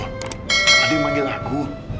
tadi manggil aku